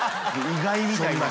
意外」みたいな。